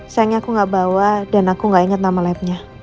sayangnya aku gak bawa dan aku gak inget nama labnya